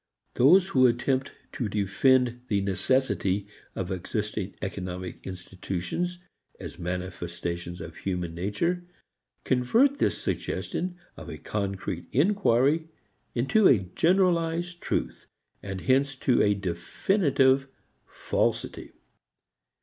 Those who attempt to defend the necessity of existing economic institutions as manifestations of human nature convert this suggestion of a concrete inquiry into a generalized truth and hence into a definitive falsity.